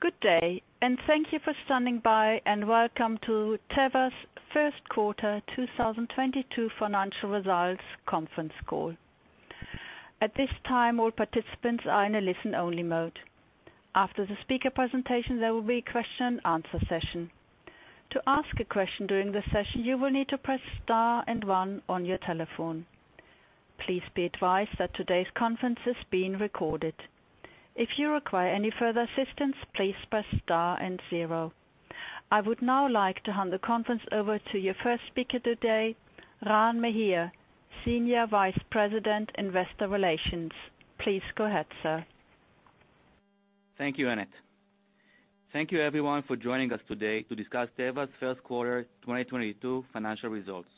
Good day, and thank you for standing by, and welcome to Teva's first quarter 2022 financial results conference call. At this time, all participants are in a listen-only mode. After the speaker presentation, there will be question and answer session. To ask a question during the session, you will need to press star and one on your telephone. Please be advised that today's conference is being recorded. If you require any further assistance, please press star and zero. I would now like to hand the conference over to your first speaker today, Ran Meir, Senior Vice President, Investor Relations. Please go ahead, sir. Thank you, Annette. Thank you everyone for joining us today to discuss Teva's first quarter 2022 financial results.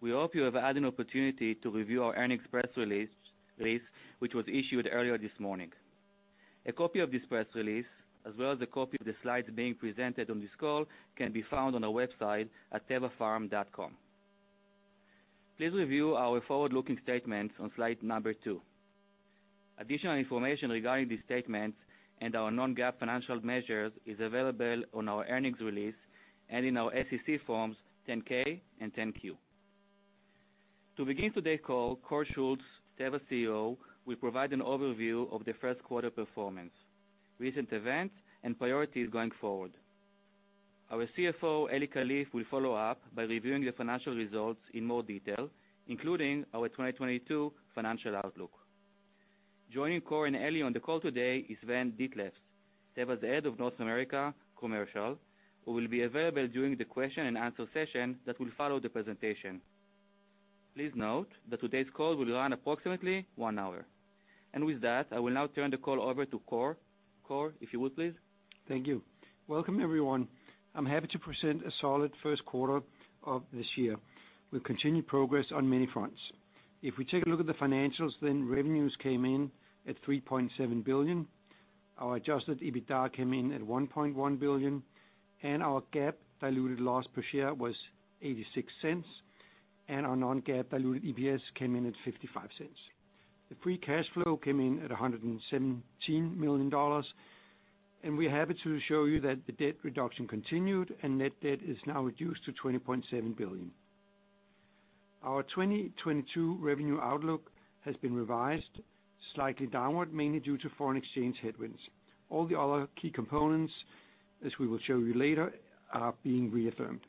We hope you have had an opportunity to review our earnings press release which was issued earlier this morning. A copy of this press release, as well as a copy of the slides being presented on this call, can be found on our website at tevapharm.com. Please review our forward-looking statements on slide number two. Additional information regarding these statements and our non-GAAP financial measures is available on our earnings release and in our SEC forms 10-K and 10-Q. To begin today's call, Kåre Schultz, Teva's CEO, will provide an overview of the first quarter performance, recent events, and priorities going forward. Our CFO, Eli Kalif, will follow up by reviewing the financial results in more detail, including our 2022 financial outlook. Joining Kåre and Eli on the call today is Sven Dethlefs, Teva's Head of North America Commercial, who will be available during the question and answer session that will follow the presentation. Please note that today's call will run approximately one hour. With that, I will now turn the call over to Kåre. Kåre, if you would, please. Thank you. Welcome, everyone. I'm happy to present a solid first quarter of this year with continued progress on many fronts. If we take a look at the financials, revenues came in at $3.7 billion. Our adjusted EBITDA came in at $1.1 billion, and our GAAP diluted loss per share was $0.86, and our non-GAAP diluted EPS came in at $0.55. The free cash flow came in at $117 million, and we're happy to show you that the debt reduction continued and net debt is now reduced to $20.7 billion. Our 2022 revenue outlook has been revised slightly downward, mainly due to foreign exchange headwinds. All the other key components, as we will show you later, are being reaffirmed.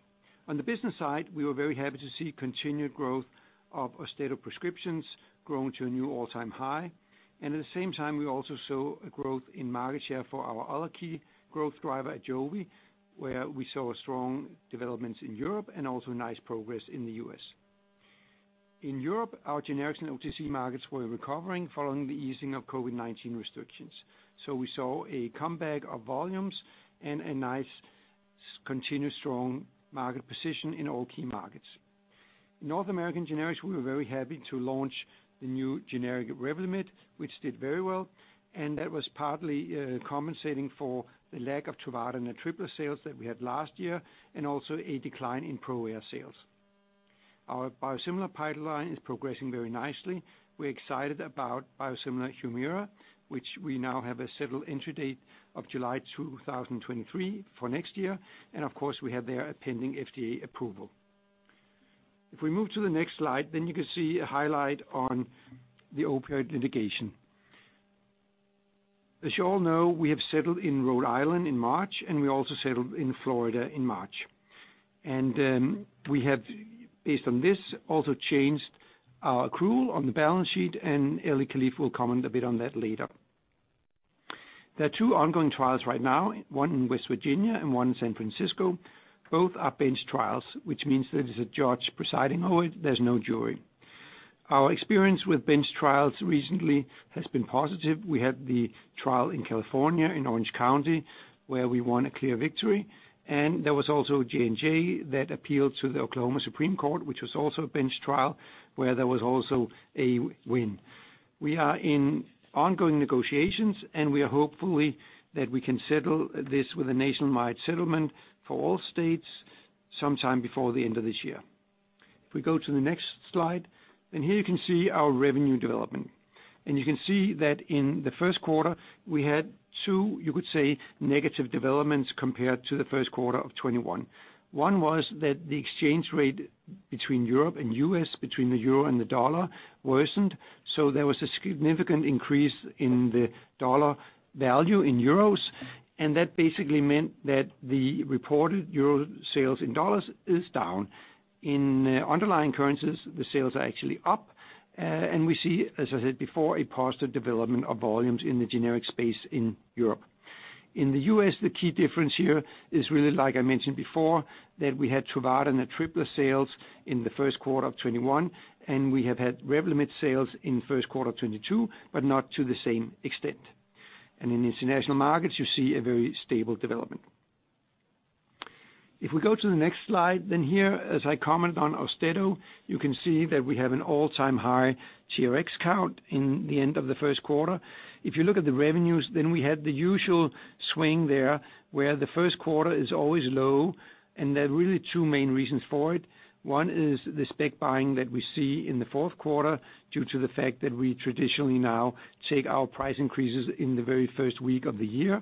On the business side, we were very happy to see continued growth of Austedo prescriptions growing to a new all-time high. At the same time, we also saw a growth in market share for our other key growth driver at AJOVY, where we saw strong developments in Europe and also nice progress in the US. In Europe, our generics and OTC markets were recovering following the easing of COVID-19 restrictions. We saw a comeback of volumes and a nice continuous strong market position in all key markets. In North American Generics, we were very happy to launch the new generic Revlimid, which did very well, and that was partly compensating for the lack of Truvada and Atripla sales that we had last year, and also a decline in ProAir sales. Our biosimilar pipeline is progressing very nicely. We're excited about biosimilar Humira, which we now have a settled entry date of July 2023 for next year. Of course, we have there a pending FDA approval. If we move to the next slide, then you can see a highlight on the opioid litigation. As you all know, we have settled in Rhode Island in March, and we also settled in Florida in March. We have, based on this, also changed our accrual on the balance sheet, and Eli Kalif will comment a bit on that later. There are two ongoing trials right now, one in West Virginia and one in San Francisco. Both are bench trials, which means there is a judge presiding over it. There's no jury. Our experience with bench trials recently has been positive. We had the trial in California, in Orange County, where we won a clear victory. There was also J&J that appealed to the Oklahoma Supreme Court, which was also a bench trial, where there was also a win. We are in ongoing negotiations, and we are hopefully that we can settle this with a nationwide settlement for all states sometime before the end of this year. If we go to the next slide, then here you can see our revenue development. You can see that in the first quarter, we had two, you could say, negative developments compared to the first quarter of 2021. One was that the exchange rate between Europe and U.S., between the euro and the dollar worsened. There was a significant increase in the dollar value in euros, and that basically meant that the reported euro sales in dollars is down. In underlying currencies, the sales are actually up. We see, as I said before, a positive development of volumes in the generic space in Europe. In the US, the key difference here is really, like I mentioned before, that we had Truvada and Atripla sales in the first quarter of 2021, and we have had Revlimid sales in first quarter 2022, but not to the same extent. In international markets, you see a very stable development. If we go to the next slide, then here, as I comment on Austedo, you can see that we have an all-time high TRX count in the end of the first quarter. If you look at the revenues, then we have the usual swing there, where the first quarter is always low, and there are really two main reasons for it. One is the spec buying that we see in the fourth quarter due to the fact that we traditionally now take our price increases in the very first week of the year.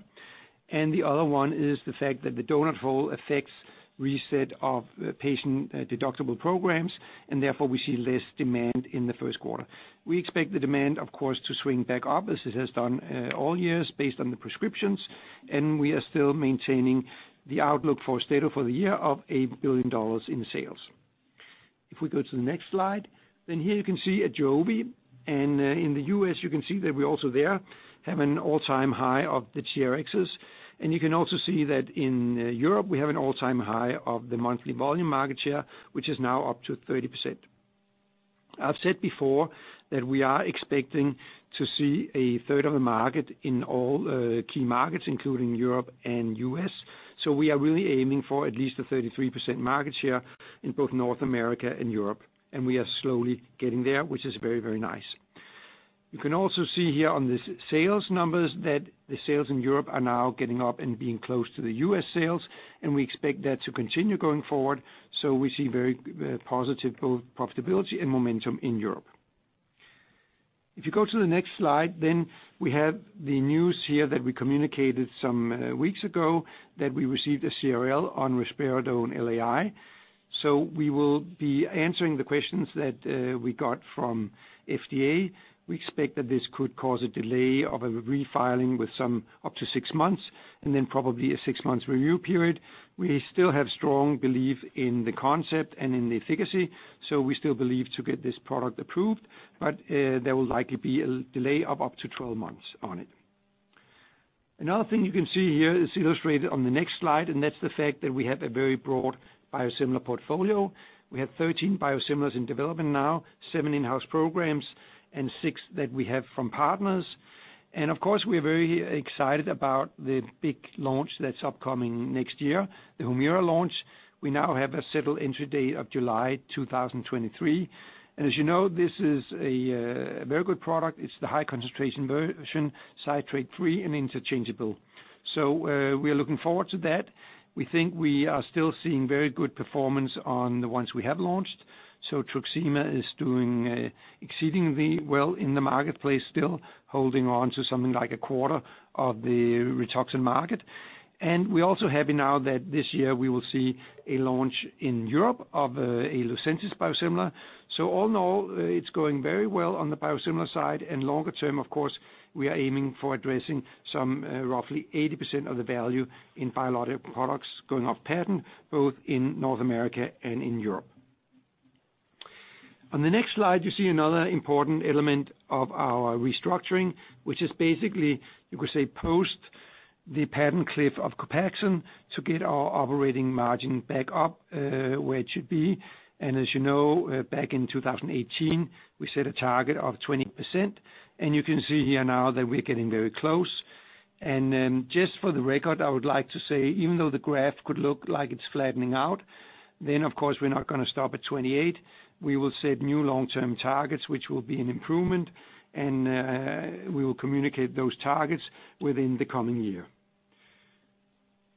The other one is the fact that the donut hole affects reset of patient deductible programs, and therefore we see less demand in the first quarter. We expect the demand, of course, to swing back up as it has done all years based on the prescriptions, and we are still maintaining the outlook for the year of $1 billion in sales. If we go to the next slide, then here you can see AJOVY. In the U.S., you can see that we also there have an all-time high of the TRx. You can also see that in Europe, we have an all-time high of the monthly volume market share, which is now up to 30%. I've said before that we are expecting to see a third of the market in all key markets, including Europe and U.S. We are really aiming for at least a 33% market share in both North America and Europe. We are slowly getting there, which is very, very nice. You can also see here on the sales numbers that the sales in Europe are now getting up and being close to the U.S. sales, and we expect that to continue going forward. We see very positive both profitability and momentum in Europe. If you go to the next slide, then we have the news here that we communicated some weeks ago that we received a CRL on risperidone LAI. We will be answering the questions that we got from FDA. We expect that this could cause a delay in refiling of up to six months, and then probably a six month review period. We still have strong belief in the concept and in the efficacy, so we still believe to get this product approved, but there will likely be a delay of up to 12 months on it. Another thing you can see here is illustrated on the next slide, and that's the fact that we have a very broad biosimilar portfolio. We have 13 biosimilars in development now, seven in-house programs, and 6 that we have from partners. Of course, we are very excited about the big launch that's upcoming next year, the Humira launch. We now have a settled entry date of July 2023. As you know, this is a very good product. It's the high concentration version, citrate-free and interchangeable. We are looking forward to that. We think we are still seeing very good performance on the ones we have launched. Truxima is doing exceedingly well in the marketplace, still holding on to something like a quarter of the Rituxan market. We're also happy now that this year we will see a launch in Europe of a Lucentis biosimilar. All in all, it's going very well on the biosimilar side. Longer term, of course, we are aiming for addressing some roughly 80% of the value in biologic products going off patent, both in North America and in Europe. On the next slide, you see another important element of our restructuring, which is basically, you could say, post the patent cliff of Copaxone to get our operating margin back up, where it should be. As you know, back in 2018, we set a target of 20%. You can see here now that we're getting very close. Just for the record, I would like to say, even though the graph could look like it's flattening out, then of course, we're not going to stop at 28%. We will set new long-term targets, which will be an improvement, and we will communicate those targets within the coming year.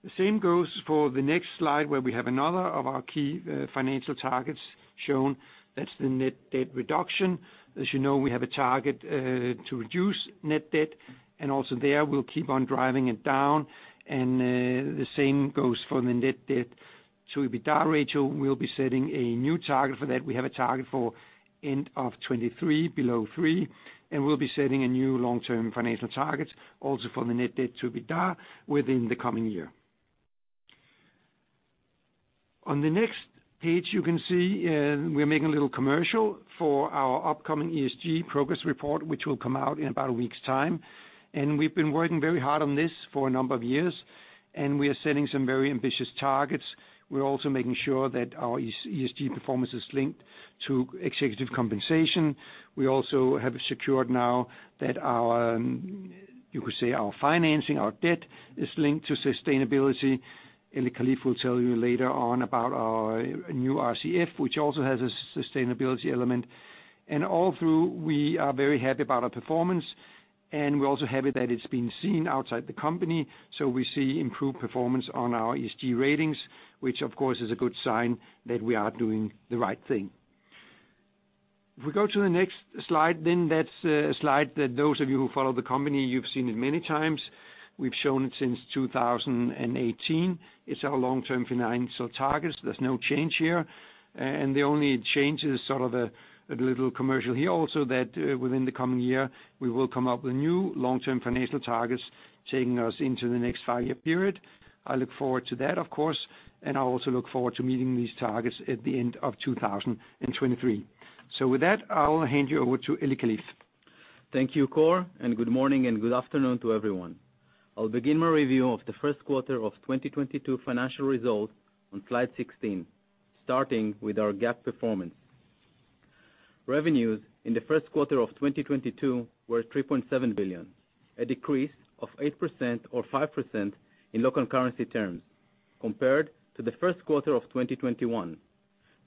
The same goes for the next slide, where we have another of our key financial targets shown. That's the net debt reduction. As you know, we have a target to reduce net debt. We'll keep on driving it down. The same goes for the net debt to EBITDA ratio. We'll be setting a new target for that. We have a target for end of 2023 below three, and we'll be setting a new long-term financial target also for the net debt to EBITDA within the coming year. On the next page, you can see we're making a little commercial for our upcoming ESG progress report, which will come out in about a week's time. We've been working very hard on this for a number of years, and we are setting some very ambitious targets. We're also making sure that our ESG performance is linked to executive compensation. We also have secured now that our, you could say, our financing, our debt is linked to sustainability. Eli Kalif will tell you later on about our new RCF, which also has a sustainability element. All through, we are very happy about our performance, and we're also happy that it's being seen outside the company. We see improved performance on our ESG ratings, which of course is a good sign that we are doing the right thing. If we go to the next slide, then that's a slide that those of you who follow the company, you've seen it many times. We've shown it since 2018. It's our long-term financial targets. There's no change here. The only change is sort of a little commercial here also that within the coming year, we will come up with new long-term financial targets, taking us into the next five-year period. I look forward to that, of course, and I also look forward to meeting these targets at the end of 2023. With that, I'll hand you over to Eli Kalif. Thank you, Kåre, and good morning and good afternoon to everyone. I'll begin my review of the first quarter of 2022 financial results on slide 16, starting with our GAAP performance. Revenues in the first quarter of 2022 were $3.7 billion, a decrease of 8% or 5% in local currency terms compared to the first quarter of 2021.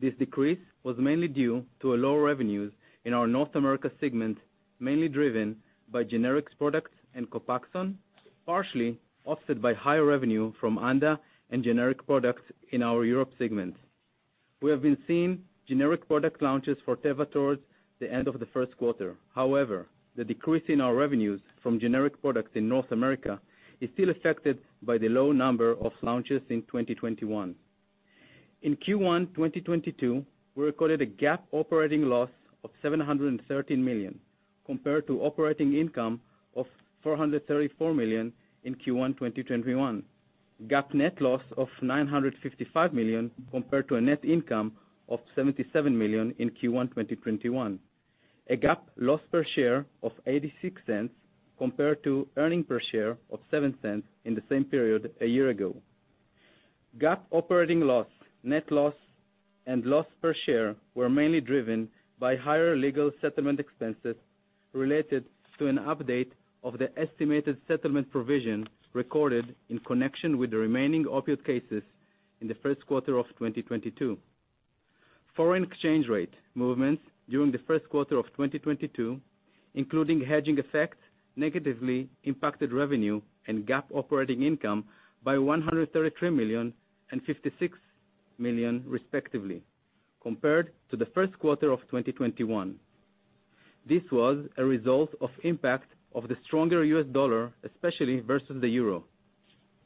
This decrease was mainly due to a lower revenues in our North America segment, mainly driven by generics products and Copaxone, partially offset by higher revenue from ANDA and generic products in our Europe segment. We have been seeing generic product launches for Teva towards the end of the first quarter. However, the decrease in our revenues from generic products in North America is still affected by the low number of launches in 2021. In Q1 2022, we recorded a GAAP operating loss of $713 million, compared to operating income of $434 million in Q1 2021. GAAP net loss of $955 million compared to a net income of $77 million in Q1 2021. A GAAP loss per share of $0.86 compared to earnings per share of $0.07 in the same period a year ago. GAAP operating loss, net loss, and loss per share were mainly driven by higher legal settlement expenses related to an update of the estimated settlement provision recorded in connection with the remaining opioid cases in the first quarter of 2022. Foreign exchange rate movements during the first quarter of 2022, including hedging effects, negatively impacted revenue and GAAP operating income by $133 million and $56 million respectively, compared to the first quarter of 2021. This was a result of impact of the stronger U.S. dollar, especially versus the euro.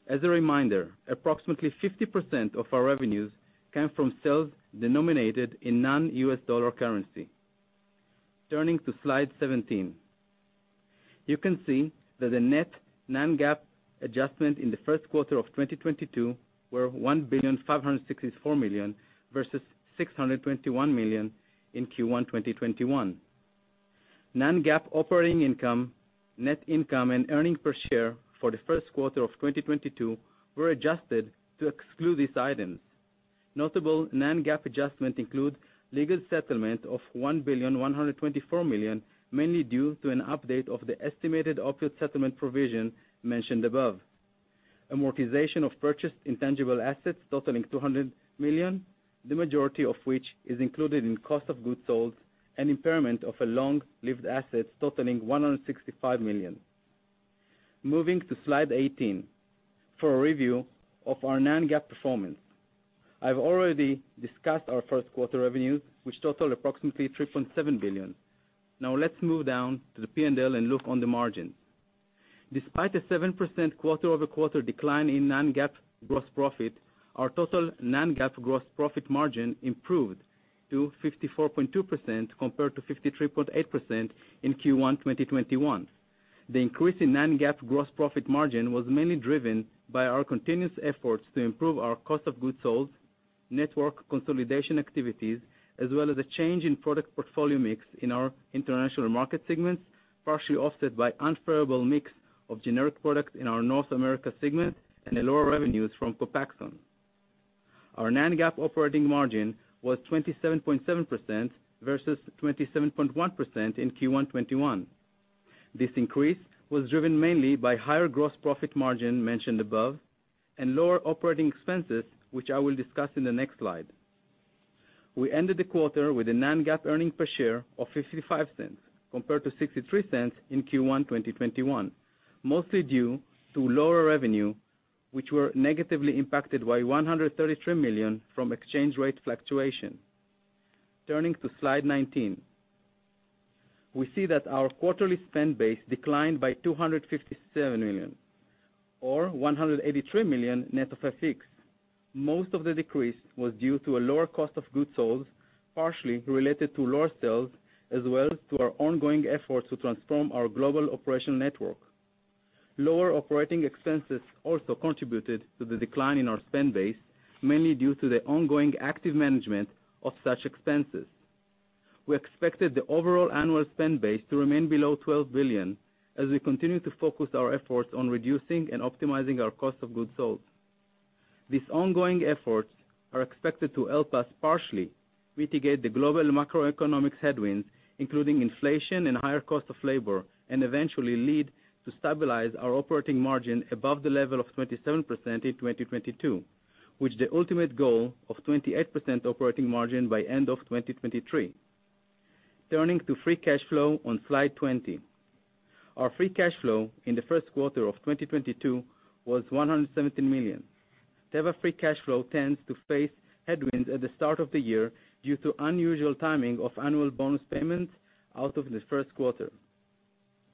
As a reminder, approximately 50% of our revenues came from sales denominated in non-U.S. dollar currency. Turning to slide 17. You can see that the net non-GAAP adjustment in the first quarter of 2022 were $1,564 million versus $621 million in Q1 2021. Non-GAAP operating income, net income, and earnings per share for the first quarter of 2022 were adjusted to exclude these items. Notable non-GAAP adjustments include legal settlement of $1.124 billion, mainly due to an update of the estimated opioid settlement provision mentioned above. Amortization of purchased intangible assets totaling $200 million, the majority of which is included in cost of goods sold and impairment of a long-lived asset totaling $165 million. Moving to slide 18 for a review of our non-GAAP performance. I've already discussed our first quarter revenues, which totaled approximately $3.7 billion. Now let's move down to the P&L and look on the margins. Despite a 7% quarter-over-quarter decline in non-GAAP gross profit, our total non-GAAP gross profit margin improved to 54.2% compared to 53.8% in Q1 2021. The increase in non-GAAP gross profit margin was mainly driven by our continuous efforts to improve our cost of goods sold, network consolidation activities, as well as a change in product portfolio mix in our international market segments, partially offset by unfavorable mix of generic products in our North America segment and the lower revenues from Copaxone. Our non-GAAP operating margin was 27.7% versus 27.1% in Q1 2021. This increase was driven mainly by higher gross profit margin mentioned above and lower operating expenses, which I will discuss in the next slide. We ended the quarter with a non-GAAP earnings per share of $0.55 compared to $0.63 in Q1 2021, mostly due to lower revenue, which were negatively impacted by $133 million from exchange rate fluctuation. Turning to slide 19. We see that our quarterly spend base declined by $257 million or $183 million net of FX. Most of the decrease was due to a lower cost of goods sold, partially related to lower sales, as well as to our ongoing efforts to transform our global operation network. Lower operating expenses also contributed to the decline in our spend base, mainly due to the ongoing active management of such expenses. We expected the overall annual spend base to remain below $12 billion as we continue to focus our efforts on reducing and optimizing our cost of goods sold. These ongoing efforts are expected to help us partially mitigate the global macroeconomic headwinds, including inflation and higher cost of labor, and eventually lead to stabilize our operating margin above the level of 27% in 2022, with the ultimate goal of 28% operating margin by end of 2023. Turning to free cash flow on slide 20. Our free cash flow in the first quarter of 2022 was $117 million. Teva free cash flow tends to face headwinds at the start of the year due to unusual timing of annual bonus payments out of the first quarter.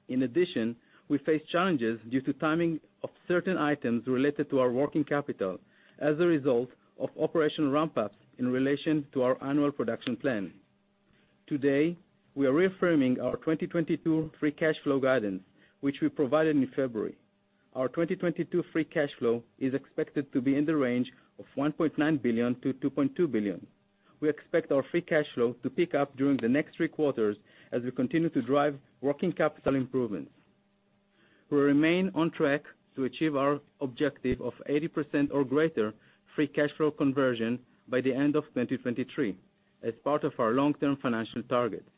In addition, we face challenges due to timing of certain items related to our working capital as a result of operational ramp-ups in relation to our annual production plan. Today, we are reaffirming our 2022 free cash flow guidance, which we provided in February. Our 2022 free cash flow is expected to be in the range of $1.9 billion-$2.2 billion. We expect our free cash flow to pick up during the next three quarters as we continue to drive working capital improvements. We remain on track to achieve our objective of 80% or greater free cash flow conversion by the end of 2023 as part of our long-term financial targets.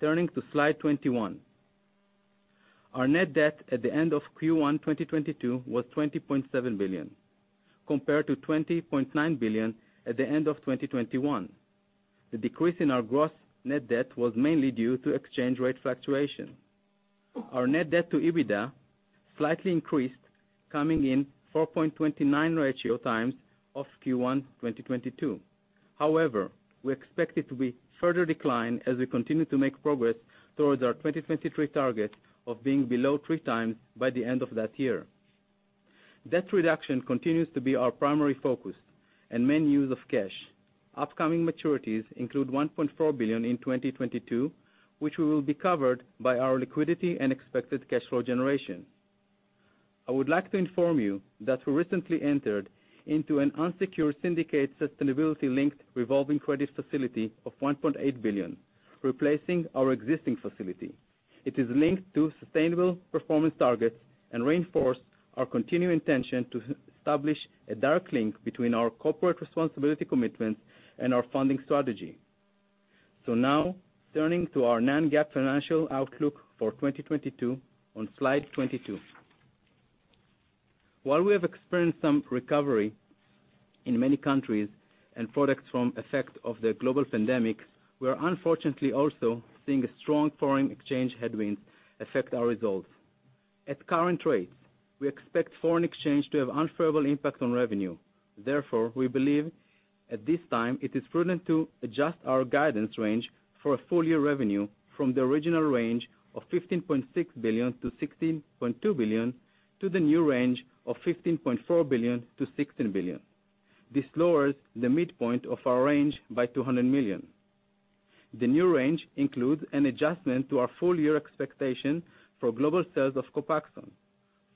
Turning to slide 21. Our net debt at the end of Q1 2022 was $20.7 billion, compared to $20.9 billion at the end of 2021. The decrease in our net debt was mainly due to exchange rate fluctuation. Our net debt to EBITDA slightly increased, coming in 4.29x for Q1 2022. However, we expect it to further decline as we continue to make progress towards our 2023 target of being below three times by the end of that year. Debt reduction continues to be our primary focus and main use of cash. Upcoming maturities include $1.4 billion in 2022, which will be covered by our liquidity and expected cash flow generation. I would like to inform you that we recently entered into an unsecured syndicated sustainability-linked revolving credit facility of $1.8 billion, replacing our existing facility. It is linked to sustainable performance targets and reinforces our continuing intention to establish a direct link between our corporate responsibility commitments and our funding strategy. Now turning to our non-GAAP financial outlook for 2022 on slide 22. While we have experienced some recovery in many countries and products from effects of the global pandemic, we are unfortunately also seeing strong foreign exchange headwinds affect our results. At current rates, we expect foreign exchange to have unfavorable impact on revenue. Therefore, we believe at this time it is prudent to adjust our guidance range for full-year revenue from the original range of $15.6 billion-$16.2 billion to the new range of $15.4 billion-$16 billion. This lowers the midpoint of our range by $200 million. The new range includes an adjustment to our full-year expectation for global sales of Copaxone,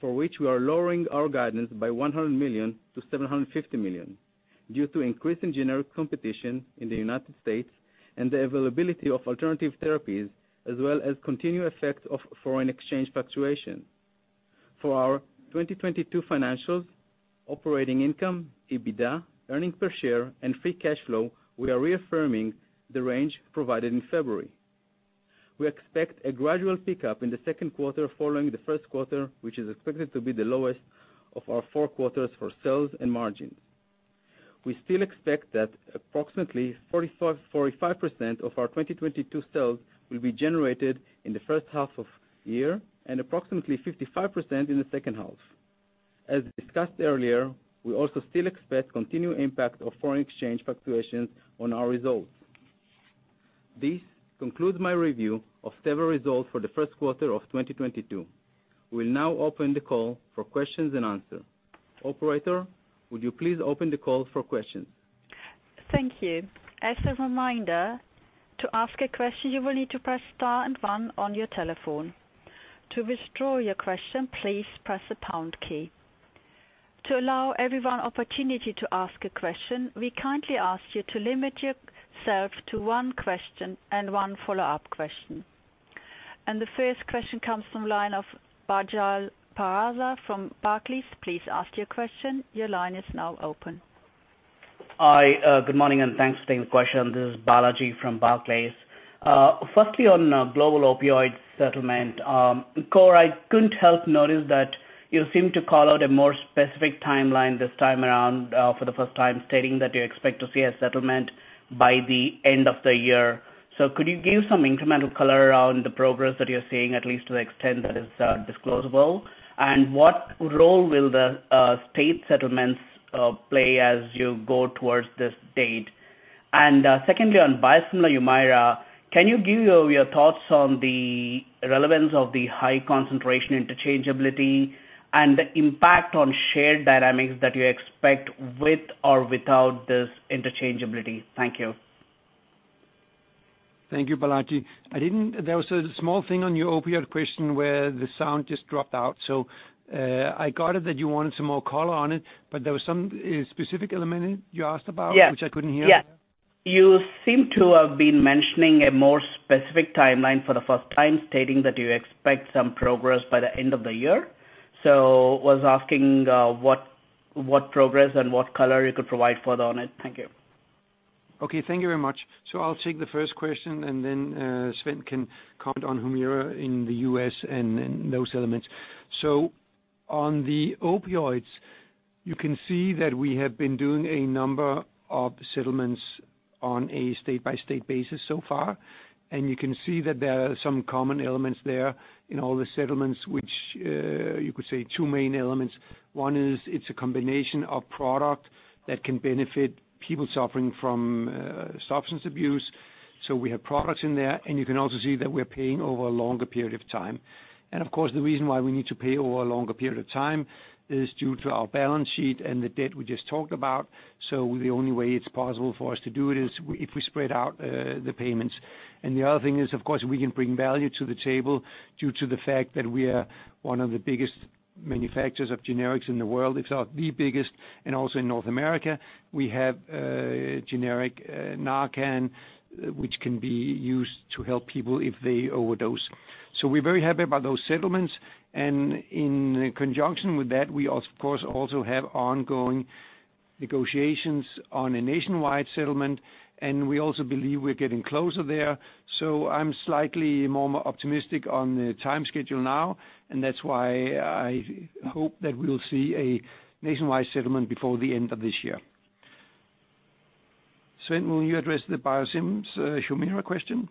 for which we are lowering our guidance by $100 million to $750 million due to increasing generic competition in the United States and the availability of alternative therapies, as well as continued effect of foreign exchange fluctuation. For our 2022 financials, operating income, EBITDA, earnings per share, and free cash flow, we are reaffirming the range provided in February. We expect a gradual pickup in the second quarter following the first quarter, which is expected to be the lowest of our four quarters for sales and margins. We still expect that approximately 45% of our 2022 sales will be generated in the first half of year and approximately 55% in the second half. As discussed earlier, we also still expect continued impact of foreign exchange fluctuations on our results. This concludes my review of Teva results for the first quarter of 2022. We'll now open the call for questions and answers. Operator, would you please open the call for questions? Thank you. As a reminder, to ask a question, you will need to press star and one on your telephone. To withdraw your question, please press the pound key. To allow everyone opportunity to ask a question, we kindly ask you to limit yourself to one question and one follow-up question. The first question comes from line of Balaji Prasad from Barclays. Please ask your question. Your line is now open. Hi. Good morning, and thanks for taking the question. This is Balaji from Barclays. Firstly on global opioid settlement. Kåre, I couldn't help notice that you seem to call out a more specific timeline this time around, for the first time, stating that you expect to see a settlement by the end of the year. Could you give some incremental color around the progress that you're seeing, at least to the extent that is disclosable? And what role will the state settlements play as you go towards this date? And secondly, on biosimilar Humira, can you give your thoughts on the relevance of the high concentration interchangeability and the impact on shared dynamics that you expect with or without this interchangeability? Thank you. Thank you, Balaji. There was a small thing on your opioid question where the sound just dropped out, so I got it that you wanted some more color on it, but there was some specific element you asked about. Yeah. which I couldn't hear. Yeah. You seem to have been mentioning a more specific timeline for the first time, stating that you expect some progress by the end of the year. I was asking what progress and what color you could provide further on it. Thank you. Okay, thank you very much. I'll take the first question and then Sven can comment on Humira in the U.S. and those elements. On the opioids, you can see that we have been doing a number of settlements on a state-by-state basis so far, and you can see that there are some common elements there in all the settlements which you could say two main elements. One is it's a combination of product that can benefit people suffering from substance abuse. We have products in there, and you can also see that we're paying over a longer period of time. Of course, the reason why we need to pay over a longer period of time is due to our balance sheet and the debt we just talked about. The only way it's possible for us to do it is if we spread out the payments. The other thing is, of course, we can bring value to the table due to the fact that we are one of the biggest manufacturers of generics in the world. In fact, the biggest, and also in North America, we have generic Narcan, which can be used to help people if they overdose. We're very happy about those settlements. In conjunction with that, we also have ongoing negotiations on a nationwide settlement, and we also believe we're getting closer there. I'm slightly more optimistic on the time schedule now, and that's why I hope that we'll see a nationwide settlement before the end of this year. Sven, will you address the biosims, Humira question?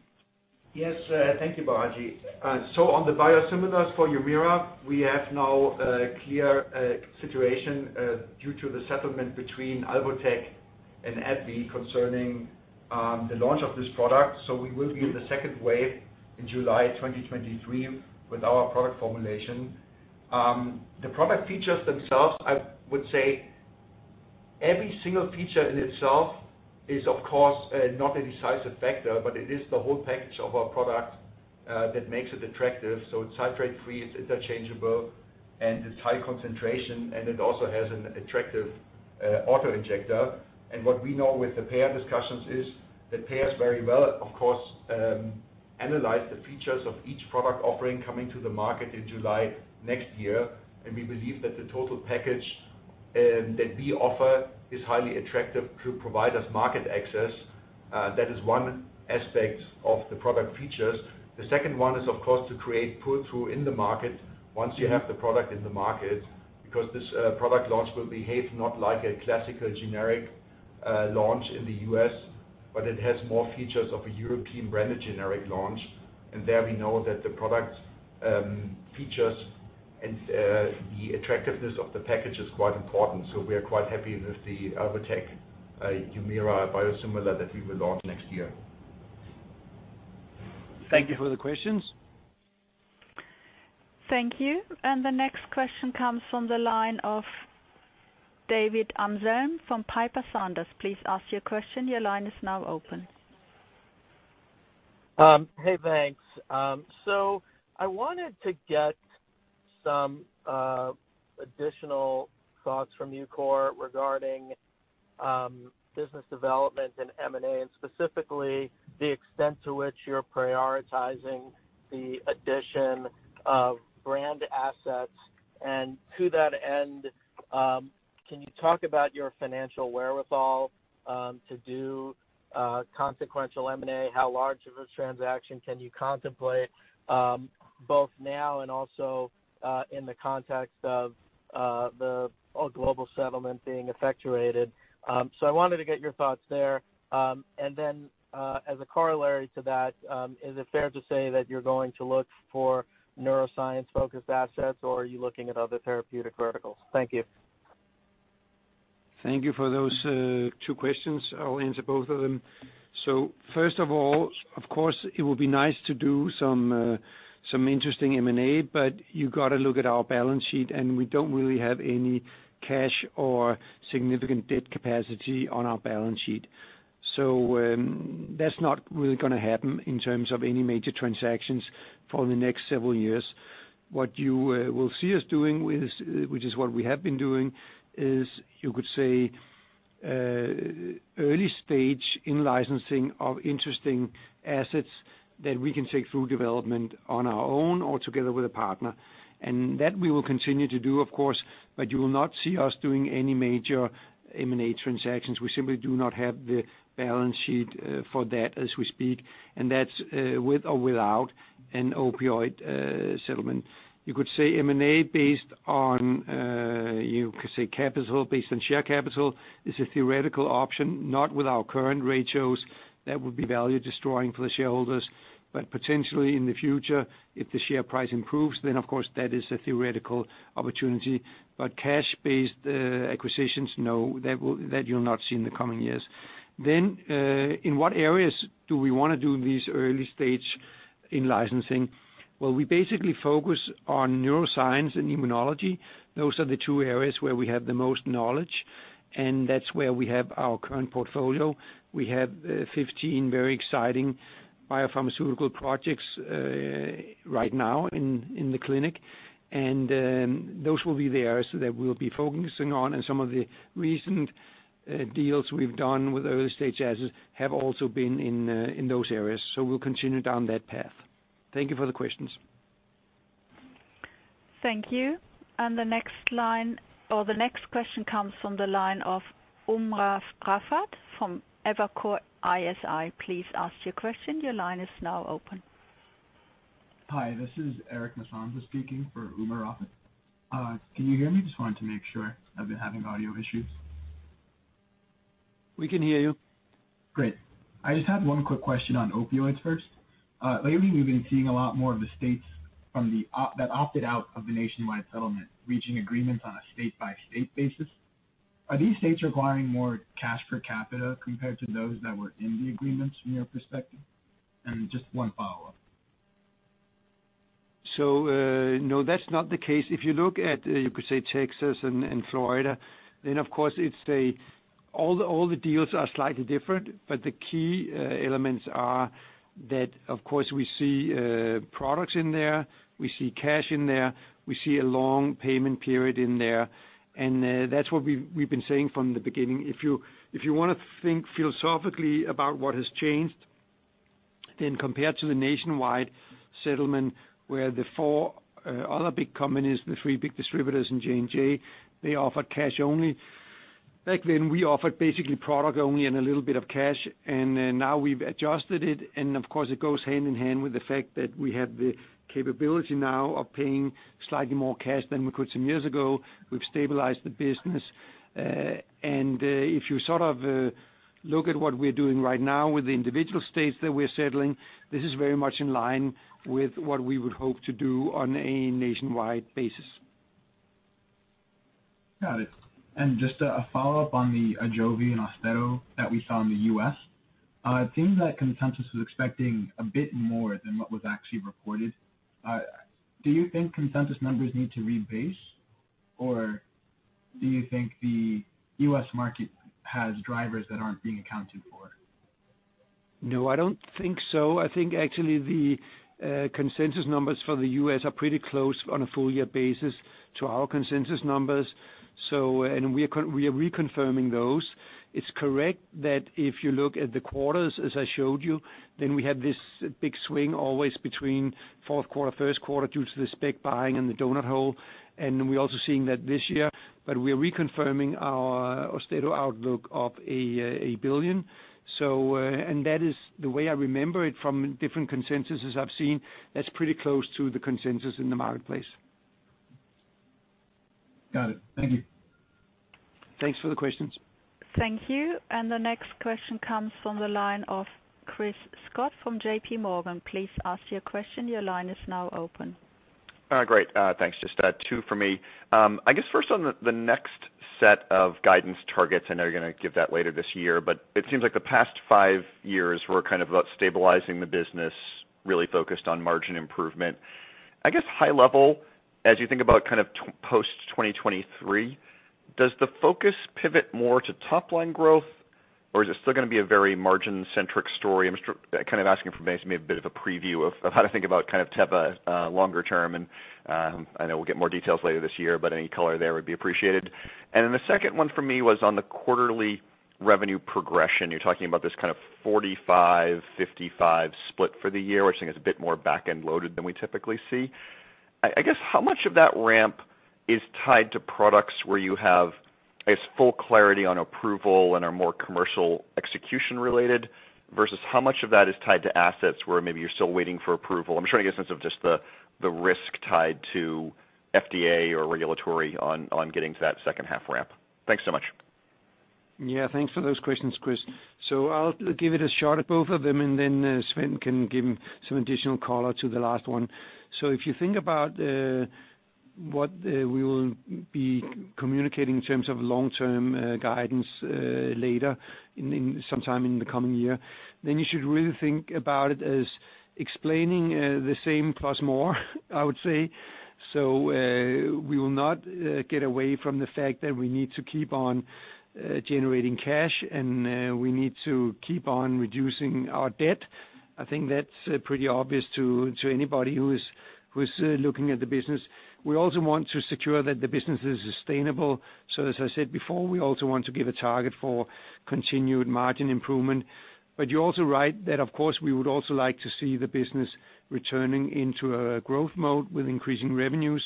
Yes. Thank you, Balaji. On the biosimilars for Humira, we have now a clear situation due to the settlement between Alvotech and AbbVie concerning the launch of this product. We will be in the second wave in July 2023 with our product formulation. The product features themselves, I would say every single feature in itself is of course not a decisive factor, but it is the whole package of our product that makes it attractive. It's citrate free, it's interchangeable, and it's high concentration, and it also has an attractive auto-injector. What we know with the payer discussions is that payers very well, of course, analyze the features of each product offering coming to the market in July next year. We believe that the total package that we offer is highly attractive to provide us market access. That is one aspect of the product features. The second one is, of course, to create pull-through in the market once you have the product in the market, because this product launch will behave not like a classical generic launch in the U.S., but it has more features of a European brand generic launch. There we know that the product features and the attractiveness of the package is quite important. We are quite happy with the Alvotech Humira biosimilar that we will launch next year. Thank you for the questions. Thank you. The next question comes from the line of David Amsellem from Piper Sandler. Please ask your question. Your line is now open. Hey, thanks. I wanted to get some additional thoughts from you, Kåre, regarding business development and M&A, and specifically the extent to which you're prioritizing the addition of brand assets. To that end, can you talk about your financial wherewithal to do consequential M&A? How large of a transaction can you contemplate, both now and also in the context of the global settlement being effectuated? I wanted to get your thoughts there. As a corollary to that, is it fair to say that you're going to look for neuroscience-focused assets, or are you looking at other therapeutic verticals? Thank you. Thank you for those two questions. I'll answer both of them. First of all, of course, it would be nice to do some interesting M&A, but you've got to look at our balance sheet, and we don't really have any cash or significant debt capacity on our balance sheet. That's not really gonna happen in terms of any major transactions for the next several years. What you will see us doing is, which is what we have been doing, you could say, early stage in licensing of interesting assets that we can take through development on our own or together with a partner. That we will continue to do, of course, but you will not see us doing any major M&A transactions. We simply do not have the balance sheet for that as we speak, and that's with or without an opioid settlement. You could say capital based on share capital is a theoretical option, not with our current ratios. That would be value destroying for the shareholders. Potentially in the future, if the share price improves, then of course that is a theoretical opportunity. Cash-based acquisitions, no, that you'll not see in the coming years. In what areas do we wanna do this early stage in licensing? Well, we basically focus on neuroscience and immunology. Those are the two areas where we have the most knowledge, and that's where we have our current portfolio. We have 15 very exciting biopharmaceutical projects right now in the clinic, and those will be the areas that we'll be focusing on. Some of the recent deals we've done with early-stage assets have also been in those areas. We'll continue down that path. Thank you for the questions. Thank you. The next line or the next question comes from the line of Umer Raffat from Evercore ISI. Please ask your question. Your line is now open. Hi, this is Eric Musonza speaking for Umer Raffat. Can you hear me? Just wanted to make sure. I've been having audio issues. We can hear you. Great. I just had one quick question on opioids first. Lately, we've been seeing a lot more of the states that opted out of the nationwide settlement, reaching agreements on a state-by-state basis. Are these states requiring more cash per capita compared to those that were in the agreements from your perspective? Just one follow-up. No, that's not the case. If you look at, you could say Texas and Florida, then of course all the deals are slightly different, but the key elements are that, of course, we see products in there, we see cash in there, we see a long payment period in there. That's what we've been saying from the beginning. If you wanna think philosophically about what has changed, then compared to the nationwide settlement, where the four other big companies, the three big distributors and J&J, they offered cash only. Back then, we offered basically product only and a little bit of cash. Now we've adjusted it, and of course, it goes hand in hand with the fact that we have the capability now of paying slightly more cash than we could some years ago. We've stabilized the business. If you sort of look at what we're doing right now with the individual states that we're settling, this is very much in line with what we would hope to do on a nationwide basis. Got it. Just a follow-up on the AJOVY and Austedo that we saw in the U.S. It seems like consensus was expecting a bit more than what was actually reported. Do you think consensus members need to rebase, or do you think the US market has drivers that aren't being accounted for? No, I don't think so. I think actually the consensus numbers for the U.S. are pretty close on a full year basis to our consensus numbers. We are reconfirming those. It's correct that if you look at the quarters, as I showed you, then we have this big swing always between fourth quarter, first quarter due to the spec buying and the donut hole. We're also seeing that this year. We are reconfirming our Austedo outlook of $1 billion. That is the way I remember it from different consensuses I've seen. That's pretty close to the consensus in the marketplace. Got it. Thank you. Thanks for the questions. Thank you. The next question comes from the line of Chris Schott from JPMorgan. Please ask your question. Your line is now open. Great. Thanks. Just two for me. I guess first on the next set of guidance targets, I know you're gonna give that later this year, but it seems like the past five years were kind of about stabilizing the business, really focused on margin improvement. I guess high level, as you think about kind of post 2023, does the focus pivot more to top line growth, or is it still gonna be a very margin-centric story? I'm just kind of asking for maybe a bit of a preview of how to think about kind of Teva longer term. I know we'll get more details later this year, but any color there would be appreciated. Then the second one for me was on the quarterly revenue progression. You're talking about this kind of 45, 55 split for the year, which I think is a bit more back-end loaded than we typically see. I guess how much of that ramp is tied to products where you have, I guess, full clarity on approval and are more commercial execution related versus how much of that is tied to assets where maybe you're still waiting for approval? I'm trying to get a sense of just the risk tied to FDA or regulatory on getting to that second half ramp. Thanks so much. Yeah, thanks for those questions, Chris. I'll give it a shot at both of them, and then Sven can give some additional color to the last one. If you think about what we will be communicating in terms of long-term guidance later sometime in the coming year, then you should really think about it as explaining the same plus more, I would say. We will not get away from the fact that we need to keep on generating cash, and we need to keep on reducing our debt. I think that's pretty obvious to anybody who is looking at the business. We also want to secure that the business is sustainable. As I said before, we also want to give a target for continued margin improvement. You're also right that of course, we would also like to see the business returning into a growth mode with increasing revenues.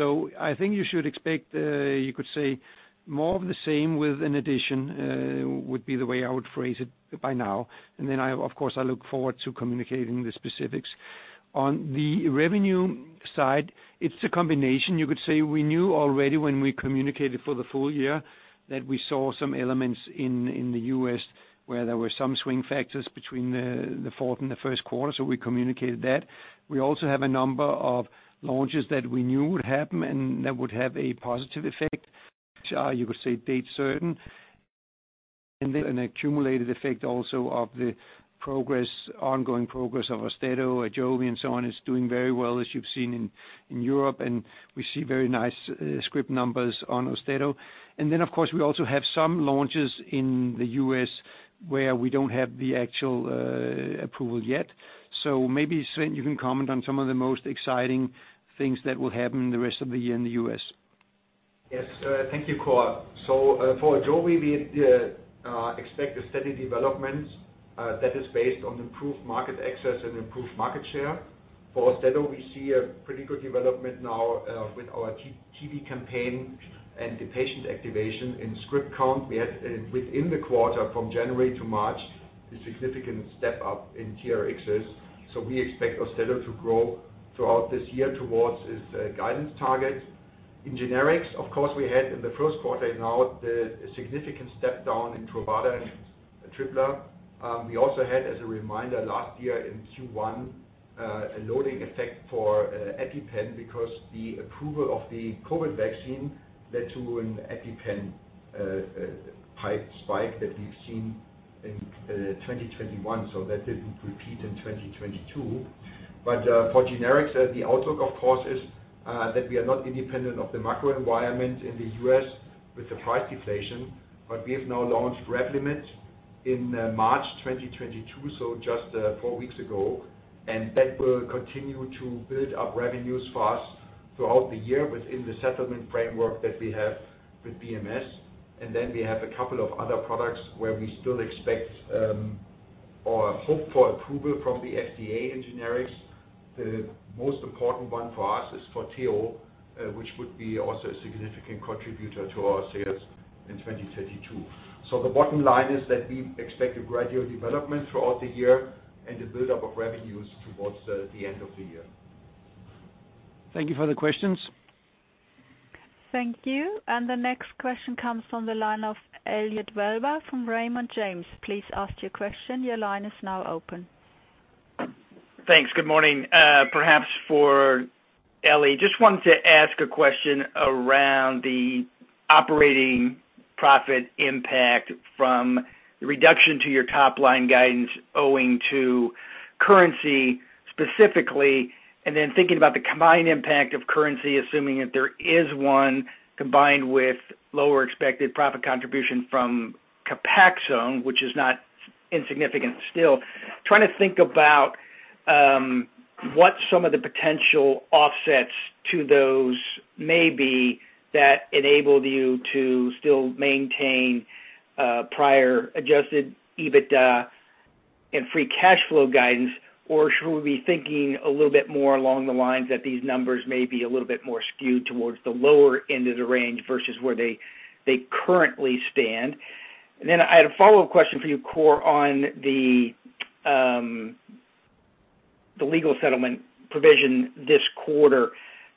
I think you should expect, you could say more of the same with an addition, would be the way I would phrase it by now. I, of course, look forward to communicating the specifics. On the revenue side, it's a combination. You could say we knew already when we communicated for the full year that we saw some elements in the U.S. where there were some swing factors between the fourth and the first quarter, so we communicated that. We also have a number of launches that we knew would happen and that would have a positive effect, which are, you could say, date certain. An accumulated effect also of the progress, ongoing progress of Austedo, AJOVY and so on is doing very well, as you've seen in Europe, and we see very nice script numbers on Austedo. Of course, we also have some launches in the U.S. where we don't have the actual approval yet. Maybe, Sven, you can comment on some of the most exciting things that will happen in the rest of the year in the U.S. Yes. Thank you, Kåre. For AJOVY, we expect a steady development that is based on improved market access and improved market share. For Austedo, we see a pretty good development now with our TV campaign and the patient activation in script count. We had within the quarter, from January to March, a significant step up in TRxs. We expect Austedo to grow throughout this year towards its guidance target. In Generics, of course, we had in the first quarter the significant step down in Truvada and Atripla. We also had, as a reminder, last year in Q1, a loading effect for EpiPen because the approval of the COVID vaccine led to an EpiPen spike that we've seen in 2021. That didn't repeat in 2022. For Generics, the outlook of course is that we are not independent of the macro environment in the U.S. with the price deflation, but we have now launched Revlimid in March 2022, so just four weeks ago, and that will continue to build up revenues for us throughout the year within the settlement framework that we have with BMS. We have a couple of other products where we still expect or hope for approval from the FDA in Generics. The most important one for us is Forteo, which would be also a significant contributor to our sales in 2032. The bottom line is that we expect a gradual development throughout the year and a buildup of revenues towards the end of the year. Thank you for the questions. Thank you. The next question comes from the line of Elliot Wilbur from Raymond James. Please ask your question. Your line is now open. Thanks. Good morning. Perhaps for Eli, just wanted to ask a question around the operating profit impact from the reduction to your top-line guidance owing to currency specifically, and then thinking about the combined impact of currency, assuming that there is one, combined with lower expected profit contribution from Copaxone, which is not insignificant still. Trying to think about what some of the potential offsets to those may be that enabled you to still maintain prior adjusted EBITDA and free cash flow guidance. Or should we be thinking a little bit more along the lines that these numbers may be a little bit more skewed towards the lower end of the range versus where they currently stand? And then I had a follow-up question for you, Kåre, on the legal settlement provision this quarter.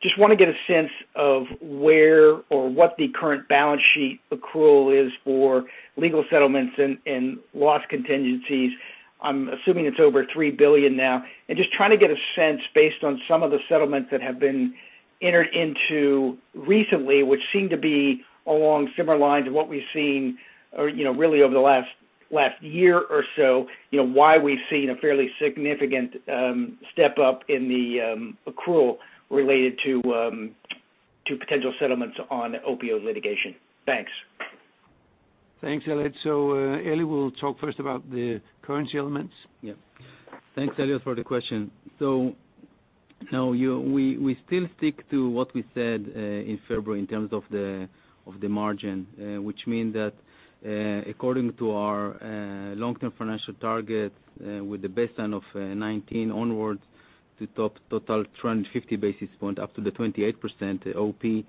Just wanna get a sense of where or what the current balance sheet accrual is for legal settlements and loss contingencies. I'm assuming it's over $3 billion now. Just trying to get a sense based on some of the settlements that have been entered into recently, which seem to be along similar lines of what we've seen or, you know, really over the last year or so, you know, why we've seen a fairly significant step up in the accrual related to potential settlements on opioid litigation. Thanks. Thanks, Elliot. Eli will talk first about the currency elements. Yeah. Thanks, Elliot, for the question. Now, we still stick to what we said in February in terms of the margin, which mean that, according to our long-term financial target, with the baseline of 2019 onwards to target total trend 50 basis point up to the 28% OP,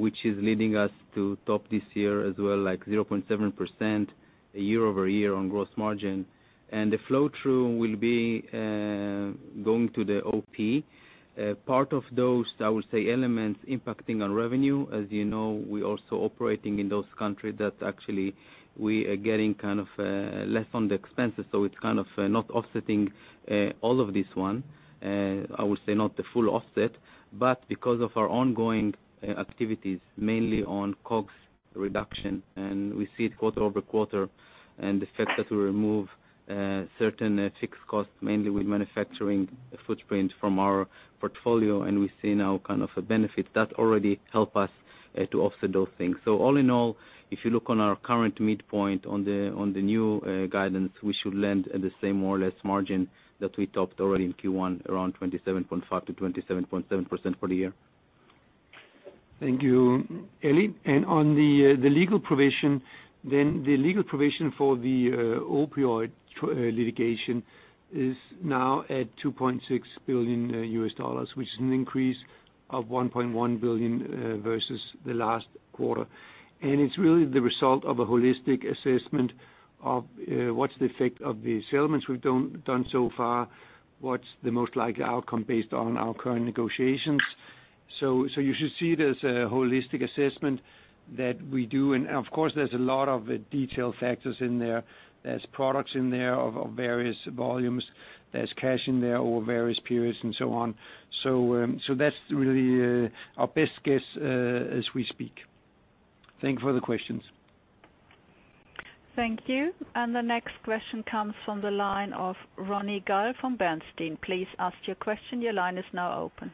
which is leading us to target this year as well, like 0.7% year-over-year on gross margin. The flow-through will be going to the OP. Part of those, I would say, elements impacting on revenue. As you know, we're also operating in those countries that actually we are getting kind of less on the expenses, so it's kind of not offsetting all of this one, I would say not the full offset. Because of our ongoing activities, mainly on cost reduction, and we see it quarter over quarter, and the fact that we remove certain fixed costs, mainly with manufacturing footprint from our portfolio, and we see now kind of a benefit that already help us to offset those things. All in all, if you look on our current midpoint on the new guidance, we should land at the same more or less margin that we topped already in Q1, around 27.5%-27.7% for the year. Thank you, Eli. On the legal provision for the opioid litigation is now at $2.6 billion, which is an increase of $1.1 billion versus the last quarter. It's really the result of a holistic assessment of what's the effect of the settlements we've done so far, what's the most likely outcome based on our current negotiations. You should see it as a holistic assessment that we do. Of course, there's a lot of detailed factors in there. There's products in there of various volumes. There's cash in there over various periods and so on. That's really our best guess as we speak. Thank you for the questions. Thank you. The next question comes from the line of Ronny Gal from Bernstein. Please ask your question. Your line is now open.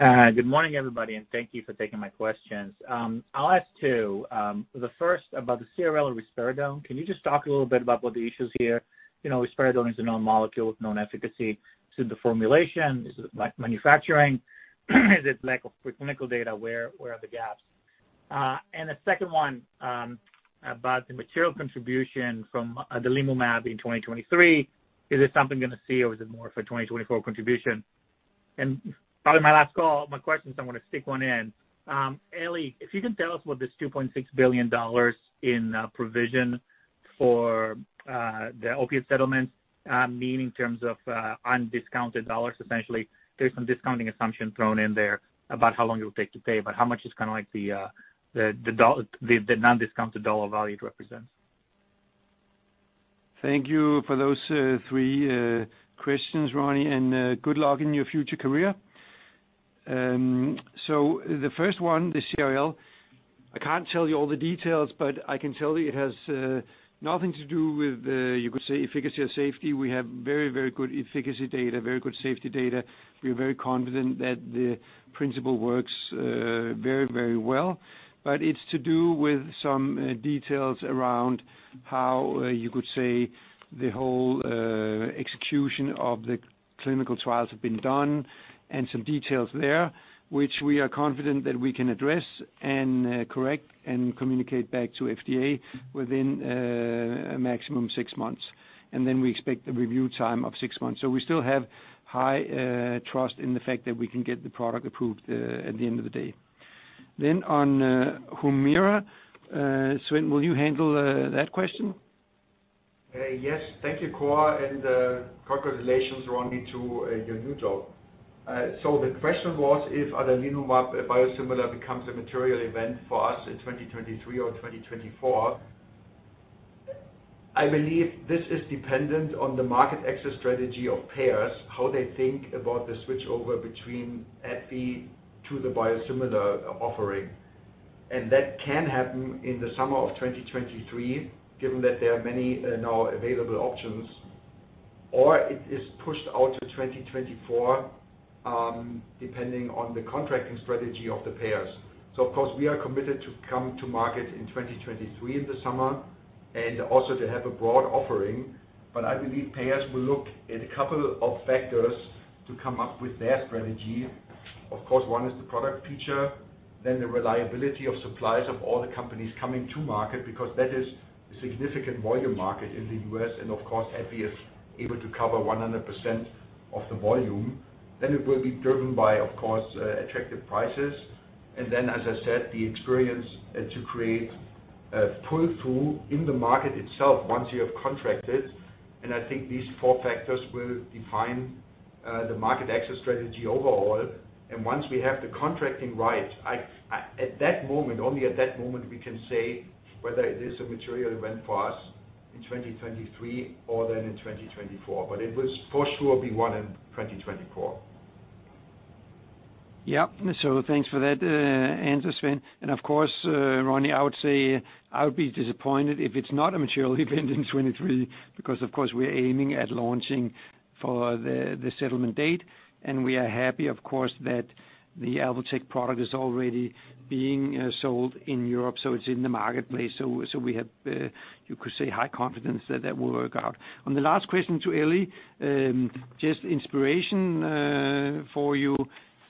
Good morning, everybody, and thank you for taking my questions. I'll ask two. The first about the CRL of Risperidone. Can you just talk a little bit about what the issue's here? You know, Risperidone is a known molecule with known efficacy. Is it the formulation? Is it manufacturing? Is it lack of preclinical data? Where are the gaps? The second one, about the material contribution from the Limulmab in 2023. Is it something gonna see or is it more for 2024 contribution? And probably my last call, my question, so I'm gonna stick one in. Eli, if you can tell us what this $2.6 billion in provision for the opiate settlement mean in terms of undiscounted dollars essentially. There's some discounting assumption thrown in there about how long it will take to pay, but how much is kinda like the non-discounted dollar value it represents? Thank you for those, three questions, Ronny, and good luck in your future career. The first one, the CRL, I can't tell you all the details, but I can tell you it has nothing to do with, you could say efficacy or safety. We have very, very good efficacy data, very good safety data. We're very confident that the principle works very, very well. It's to do with some details around how, you could say the whole execution of the clinical trials have been done and some details there, which we are confident that we can address and correct and communicate back to FDA within a maximum six months. We expect a review time of six months. We still have high trust in the fact that we can get the product approved at the end of the day. On Humira, Sven, will you handle that question? Yes. Thank you, Kåre, and congratulations, Ronny, to your new job. The question was if Adalimumab biosimilar becomes a material event for us in 2023 or 2024. I believe this is dependent on the market access strategy of payers, how they think about the switchover between AbbVie to the biosimilar offering. That can happen in the summer of 2023, given that there are many now available options, or it is pushed out to 2024, depending on the contracting strategy of the payers. Of course, we are committed to come to market in 2023 in the summer and also to have a broad offering. I believe payers will look at a couple of factors to come up with their strategy. Of course, one is the product feature, then the reliability of supplies of all the companies coming to market because that is a significant volume market in the U.S. and of course, AbbVie is able to cover 100% of the volume. It will be driven by, of course, attractive prices. As I said, the experience to create pull-through in the market itself once you have contracted. I think these four factors will define the market access strategy overall. Once we have the contracting right, at that moment, only at that moment we can say whether it is a material event for us in 2023 or then in 2024. It will for sure be one in 2024. Yeah. Thanks for that, answer, Sven. Of course, Ronny, I would say I would be disappointed if it's not a material event in 2023 because of course, we're aiming at launching for the settlement date. We are happy, of course, that the Alvotech product is already being sold in Europe, so it's in the marketplace. We have, you could say high confidence that that will work out. On the last question to Eli, just inspiration for you.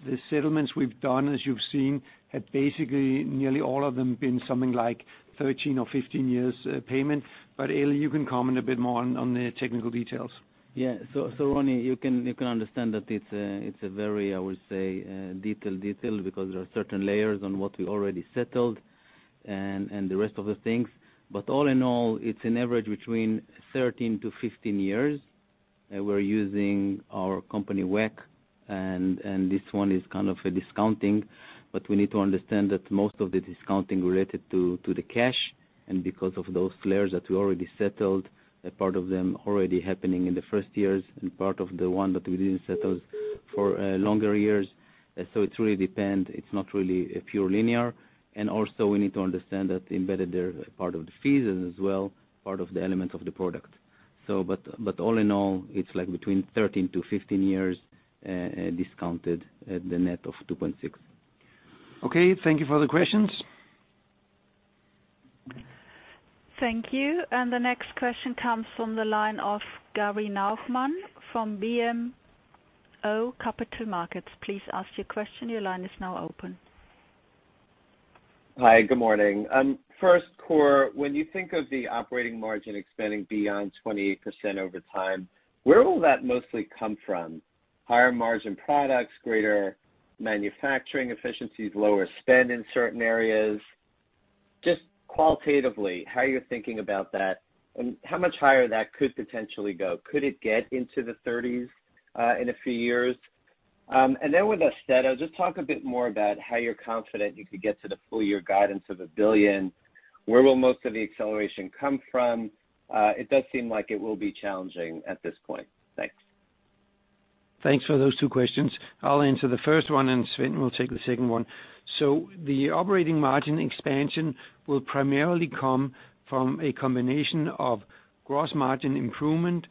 The settlements we've done, as you've seen, have basically nearly all of them been something like 13 or 15 years payment. Eli, you can comment a bit more on the technical details. Yeah. Ronny, you can understand that it's a very, I would say, detailed detail because there are certain layers on what we already settled and the rest of the things. All in all, it's an average between 13-15 years. We're using our company WAC and this one is kind of a discounting, but we need to understand that most of the discounting related to the cash and because of those layers that we already settled, a part of them already happening in the first years and part of the one that we didn't settle for longer years. It really depend. It's not really a pure linear. Also we need to understand that embedded there are part of the fees and as well, part of the elements of the product. All in all, it's like between 13-15 years, discounted at the net of 2.6%. Okay. Thank you for the questions. Thank you. The next question comes from the line of Gary Nachman from BMO Capital Markets. Please ask your question. Your line is now open. Hi, good morning. First, Kåre, when you think of the operating margin expanding beyond 28% over time, where will that mostly come from? Higher margin products, greater manufacturing efficiencies, lower spend in certain areas? Just qualitatively, how are you thinking about that, and how much higher that could potentially go? Could it get into the thirties, in a few years? And then with Austedo, just talk a bit more about how you're confident you could get to the full-year guidance of $1 billion. Where will most of the acceleration come from? It does seem like it will be challenging at this point. Thanks. Thanks for those two questions. I'll answer the first one, and Sven will take the second one. The operating margin expansion will primarily come from a combination of gross margin improvement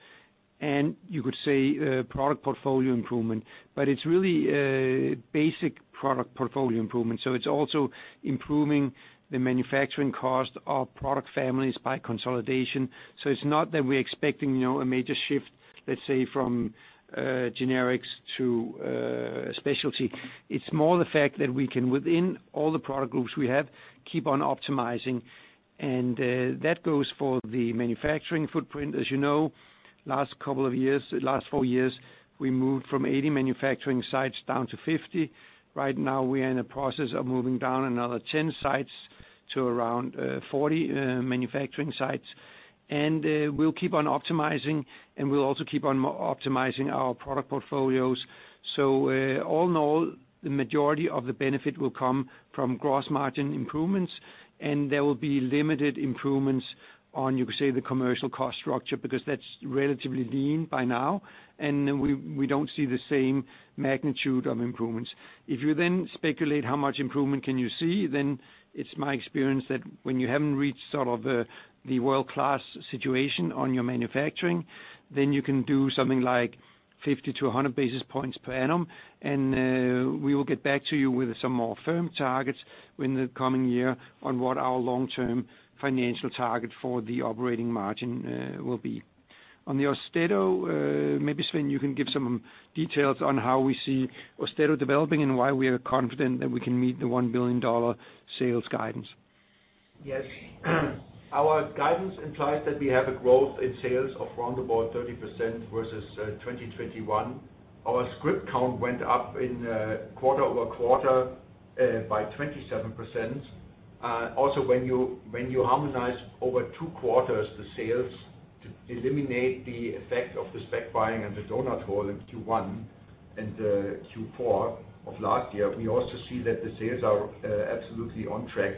and you could say, product portfolio improvement. It's really a basic product portfolio improvement, so it's also improving the manufacturing cost of product families by consolidation. It's not that we're expecting, you know, a major shift, let's say from, generics to, specialty. It's more the fact that we can, within all the product groups we have, keep on optimizing. That goes for the manufacturing footprint. As you know, last couple of years, last four years, we moved from 80 manufacturing sites down to 50. Right now, we are in the process of moving down another 10 sites to around, 40, manufacturing sites. We'll keep on optimizing, and we'll also keep on optimizing our product portfolios. All in all, the majority of the benefit will come from gross margin improvements, and there will be limited improvements on, you could say, the commercial cost structure because that's relatively lean by now. We don't see the same magnitude of improvements. If you then speculate how much improvement can you see, then it's my experience that when you haven't reached sort of the world-class situation on your manufacturing, then you can do something like 50-100 basis points per annum. We will get back to you with some more firm targets in the coming year on what our long-term financial target for the operating margin will be. On the Austedo, maybe Sven, you can give some details on how we see Austedo developing and why we are confident that we can meet the $1 billion sales guidance. Yes. Our guidance implies that we have a growth in sales of around about 30% versus 2021. Our script count went up in quarter-over-quarter by 27%. Also when you harmonize over two quarters the sales to eliminate the effect of the spec buying and the donut hole in Q1 and Q4 of last year, we also see that the sales are absolutely on track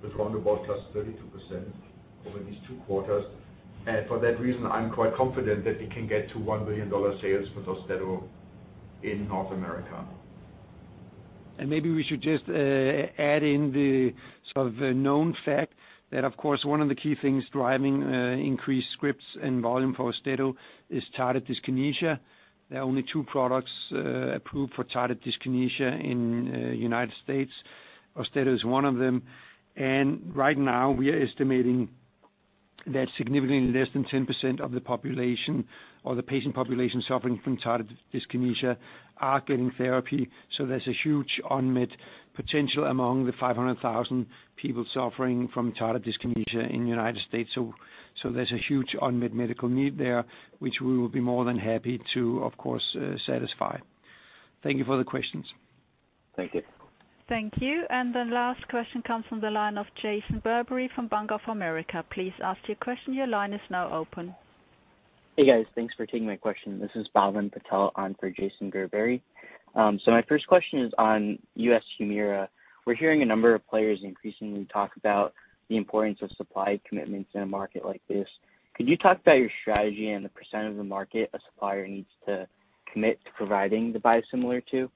with around about +32% over these two quarters. For that reason, I'm quite confident that we can get to $1 billion sales for Austedo in North America. Maybe we should just add in the sort of known fact that of course, one of the key things driving increased scripts and volume for Austedo is tardive dyskinesia. There are only two products approved for tardive dyskinesia in the United States. Austedo is one of them. Right now, we are estimating that significantly less than 10% of the population or the patient population suffering from tardive dyskinesia are getting therapy. There's a huge unmet potential among the 500,000 people suffering from tardive dyskinesia in the United States. There's a huge unmet medical need there, which we will be more than happy to, of course, satisfy. Thank you for the questions. Thank you. Thank you. The last question comes from the line of Jason Gerberry from Bank of America. Please ask your question. Your line is now open. Hey, guys. Thanks for taking my question. This is Bhavin Patel on for Jason Gerberry. So my first question is on U.S. Humira. We're hearing a number of players increasingly talk about the importance of supply commitments in a market like this. Could you talk about your strategy and the percent of the market a supplier needs to commit to providing the biosimilar to?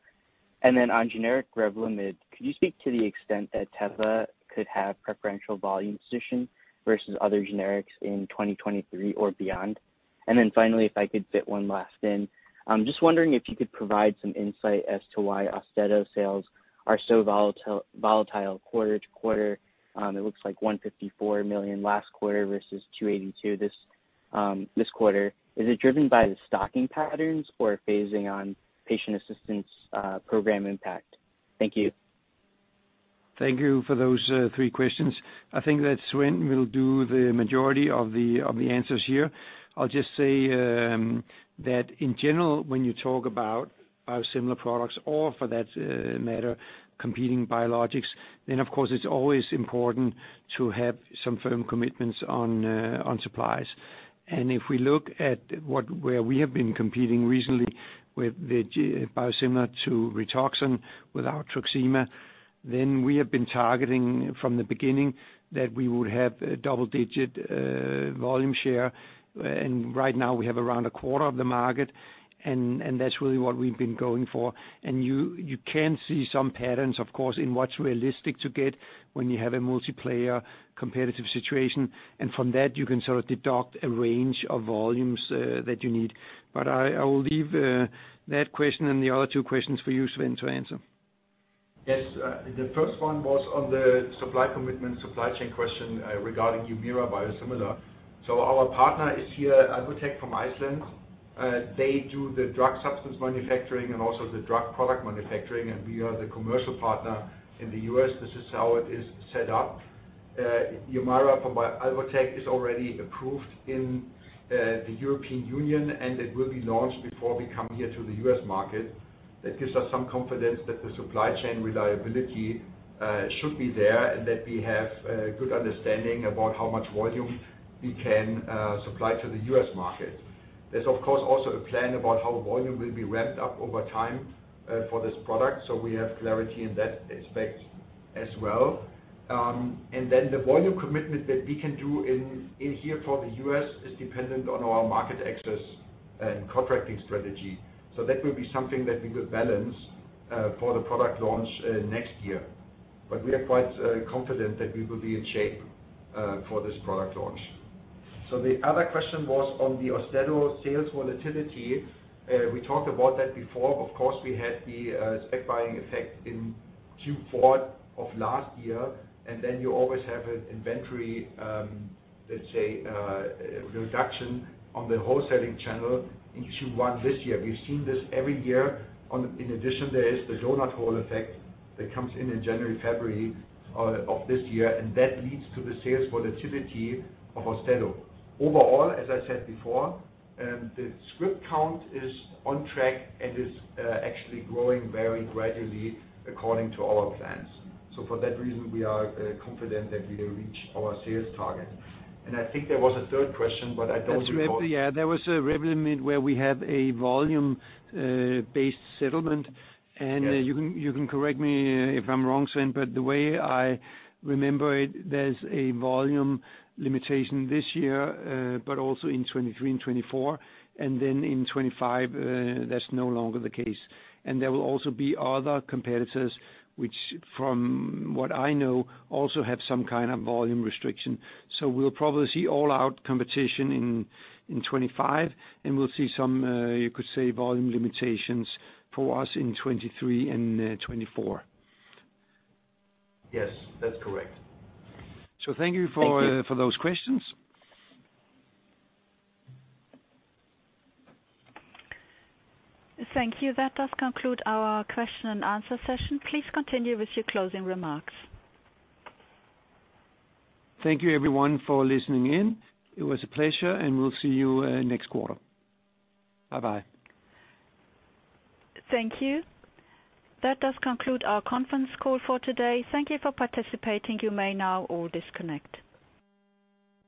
And then on generic Revlimid, could you speak to the extent that Teva could have preferential volume position versus other generics in 2023 or beyond? And then finally, if I could fit one last in. I'm just wondering if you could provide some insight as to why Austedo sales are so volatile quarter to quarter. It looks like $154 million last quarter versus $282 this quarter. Is it driven by the stocking patterns or phasing on patient assistance, program impact? Thank you. Thank you for those, three questions. I think that Sven will do the majority of the answers here. I'll just say, that in general, when you talk about biosimilar products or for that, matter, competing biologics, then of course it's always important to have some firm commitments on supplies. If we look at where we have been competing recently with the biosimilar to Rituxan with our Truxima, then we have been targeting from the beginning that we would have a double-digit, volume share. And right now we have around a quarter of the market, and that's really what we've been going for. You can see some patterns, of course, in what's realistic to get when you have a multiplayer competitive situation. From that, you can sort of deduct a range of volumes, that you need. I will leave that question and the other two questions for you, Sven, to answer. Yes. The first one was on the supply commitment, supply chain question, regarding Humira biosimilar. Our partner is here, Alvotech from Iceland. They do the drug substance manufacturing and also the drug product manufacturing, and we are the commercial partner in the U.S. This is how it is set up. Humira from Alvotech is already approved in the European Union, and it will be launched before we come here to the U.S. market. That gives us some confidence that the supply chain reliability should be there and that we have a good understanding about how much volume we can supply to the U.S. market. There's of course also a plan about how volume will be ramped up over time for this product. We have clarity in that aspect as well. The volume commitment that we can do in here for the U.S. is dependent on our market access and contracting strategy. That will be something that we will balance for the product launch next year. We are quite confident that we will be in shape for this product launch. The other question was on the Austedo sales volatility. We talked about that before. Of course, we had the spec buying effect in Q4 of last year, and then you always have an inventory reduction on the wholesale channel in Q1 this year. We've seen this every year. In addition, there is the donut hole effect that comes in January, February of this year, and that leads to the sales volatility of Austedo. Overall, as I said before, the script count is on track and is actually growing very gradually according to our plans. For that reason, we are confident that we will reach our sales target. I think there was a third question, but I don't recall. That's right. Yeah. There was a Revlimid where we have a volume, based settlement. Yes. You can correct me if I'm wrong, Sven, but the way I remember it, there's a volume limitation this year, but also in 2023 and 2024. Then in 2025, that's no longer the case. There will also be other competitors which from what I know, also have some kind of volume restriction. We'll probably see all out competition in 2025 and we'll see some, you could say volume limitations for us in 2023 and 2024. Yes, that's correct. Thank you. Thank you. For those questions. Thank you. That does conclude our question and answer session. Please continue with your closing remarks. Thank you everyone for listening in. It was a pleasure, and we'll see you next quarter. Bye-bye. Thank you. That does conclude our conference call for today. Thank you for participating. You may now all disconnect.